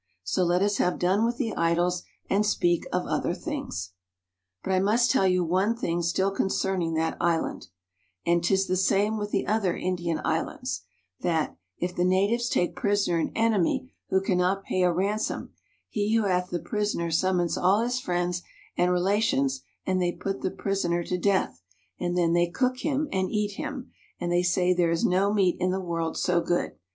So let us have done with the idols, and speak of other things. But I must tell you one thing still concerning that island (and 'tis the same with the other Indian islands), that, if the natives take prisoner an enemy who cannot pay a ransom, he who hath the prisoner summons all his friends and rela tions, and they put the prisoner to death, and then they cook him and eat him, and they say there is no meat in the world so good.